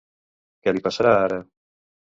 Què li passarà ara?